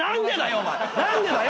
お前何でだよ！